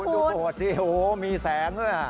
คุณดูโหดสิโหมีแสงด้วยอ่ะ